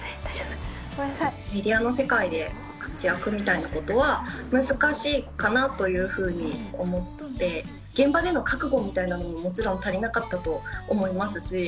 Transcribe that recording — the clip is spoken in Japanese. ドラマの世界で活躍みたいなことは、難しいかなというふうに思って、現場での覚悟みたいなものももちろん足りなかったと思いますし。